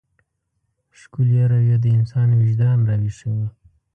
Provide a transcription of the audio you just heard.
ښکلې رويه د انسان وجدان راويښوي.